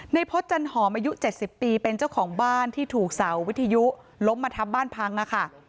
พฤษจันหอมอายุ๗๐ปีเป็นเจ้าของบ้านที่ถูกเสาวิทยุล้มมาทับบ้านพังค่ะ